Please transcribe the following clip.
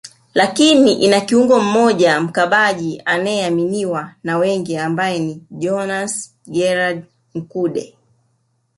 lakini ina kiungo mmoja mkabaji anayeaminiwa na wengi ambaye ni Jonas Gerald Mkude